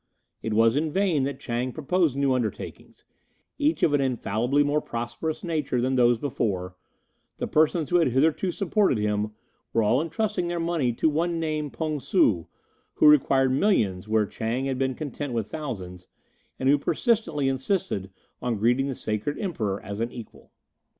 It was in vain that Chang proposed new undertakings, each of an infallibly more prosperous nature than those before; the persons who had hitherto supported him were all entrusting their money to one named Pung Soo, who required millions where Chang had been content with thousands, and who persistently insisted on greeting the sacred Emperor as an equal.